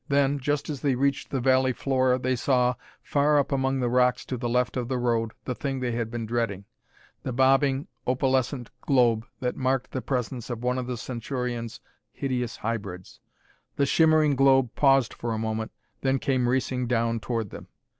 Then, just as they reached the valley floor they saw, far up among the rocks to the left of the road, the thing they had been dreading the bobbing opalescent globe that marked the presence of one of the Centaurians' hideous hybrids. The shimmering globe paused for a moment, then came racing down toward them.